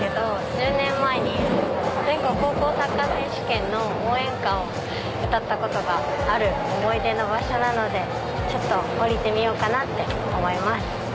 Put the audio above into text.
１０年前に全国高校サッカー選手権の応援歌を歌ったことがある思い出の場所なのでちょっと降りてみようかなって思います。